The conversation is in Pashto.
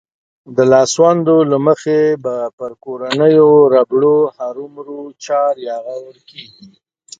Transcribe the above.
د لاسوندو له مخې به پر کورنيو ربړو هرومرو چار يا غور کېږي.